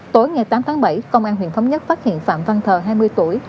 tối ngày tám tháng bảy công an huyện thống nhất phát hiện phạm văn thờ hai mươi tuổi